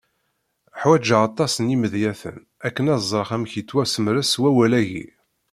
Ḥwejeɣ aṭas n yimedyaten akken ad ẓreɣ amek yettwasemres wawal-agi.